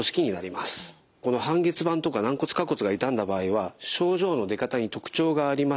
この半月板とか軟骨下骨が傷んだ場合は症状の出方に特徴があります。